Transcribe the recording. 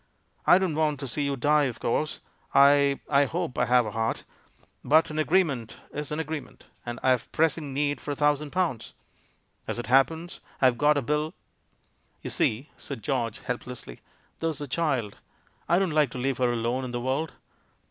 I don't want to see you die, of course — I — I hope I have a heart — but an agreement is an agreement, and I have pressing need for a thousand pounds. As it happens, I've got a bill " 234> THE MAN WHO UNDERSTOOD WOMEN "You see," said George, helplessly, "there's the child! I don't like to leave her alone in the world."